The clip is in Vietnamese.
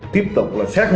tiếp tục là xét nghiệm